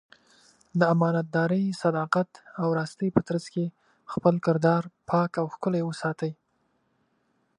د امانتدارۍ، صداقت او راستۍ په ترڅ کې خپل کردار پاک او ښکلی وساتي.